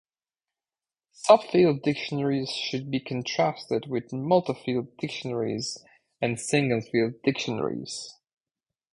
Sub-field dictionaries should be contrasted with multi-field dictionaries and single-field dictionaries.